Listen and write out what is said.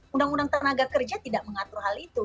undang undang tenaga kerja tidak mengatur hal itu